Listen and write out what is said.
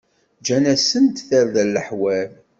Ǧǧan-asent-d tarda n leḥwal.